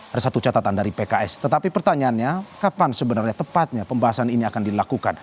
ada satu catatan dari pks tetapi pertanyaannya kapan sebenarnya tepatnya pembahasan ini akan dilakukan